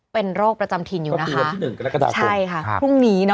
เป็นโรคประจำทินอยู่นะคะปีละที่หนึ่งกับรัฐกรรมใช่ค่ะ